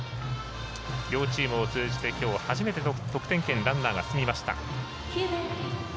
両チームを通じてきょう初めて得点圏にランナーが進みました。